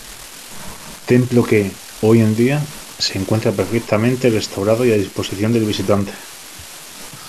Templo que, hoy en día, se encuentra perfectamente restaurado y a disposición del visitante.